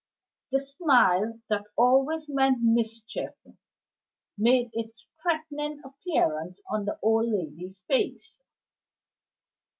The smile that always meant mischief made its threatening appearance on the old lady's face.